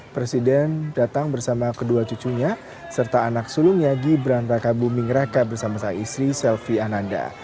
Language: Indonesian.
presiden datang bersama kedua cucunya serta anak sulung nyagi berantakan booming rakat bersama saistri selvi ananda